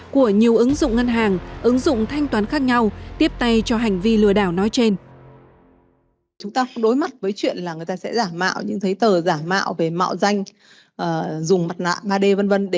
của nhiều ứng dụng ngân hàng ứng dụng thanh toán khác nhau tiếp tay cho hành vi lừa đảo nói trên